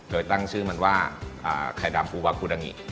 ตั้งชื่อมันว่าไข่ดำอูวาคูดังิ